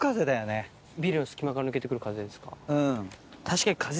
ビルの隙間から抜けて来る風ですか。